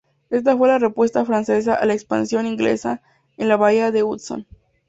Esta fue la respuesta francesa a la expansión inglesa en la bahía de Hudson.